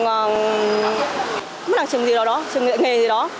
không phải là trường gì đó đó trường nghệ gì đó